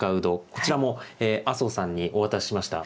こちらも麻生さんにお渡ししました。